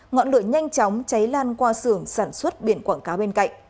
ngọn lửa nhanh chóng cháy lan qua xưởng sản xuất biển quảng cáo bên cạnh